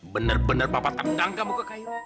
benar benar papa terendang kamu ke kairu